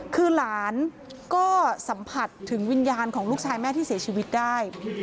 คือหลานก็สัมผัสถึงวิญญาณของลูกชายแม่ที่เสียชีวิตได้